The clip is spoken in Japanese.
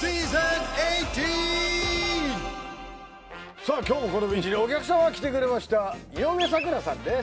さあ今日もこのビーチにお客様来てくれました井上咲楽さんです